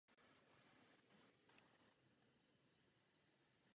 Na západním konci viaduktu se dochovalo historické nefunkční návěstidlo.